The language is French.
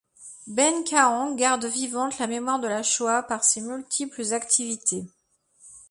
Bente Kahan garde vivante la mémoire de la Shoah par ses multiples activités.